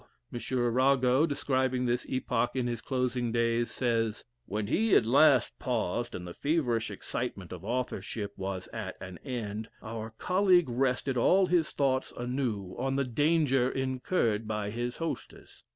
M. Arago, describing this epoch in his closing days, says: "When he at last paused, and the feverish excitement of authorship was at an end, our colleague rested all his thoughts anew on the danger incurred by his hostess.